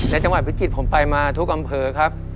และจังหวัดพิจิตรผมไปมาทุกอำเภอครับ